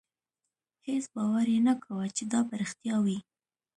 هېڅ باور یې نه کاوه چې دا به رښتیا وي.